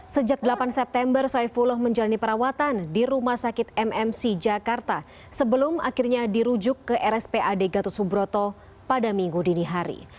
sejak delapan september saifullah menjalani perawatan di rumah sakit mmc jakarta sebelum akhirnya dirujuk ke rspad gatot subroto pada minggu dini hari